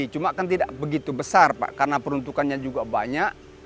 cuma kan tidak begitu besar pak karena peruntukannya juga banyak